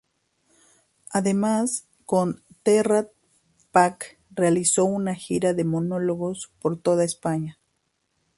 Además con "Terrat Pack" realizó una gira de monólogos por toda España.